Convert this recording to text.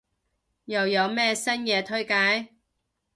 又有咩新嘢推介？